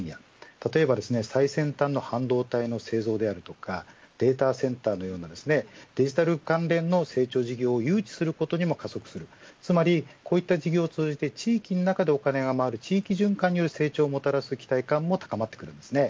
例えば最先端の半導体の製造であるとかデータセンターのようなデジタル関連の成長事業を誘致することにも加速するつまり、こういった事業を通じて地域の中でお金が回る地域循環による成長をもたらす期待感も高まってきます。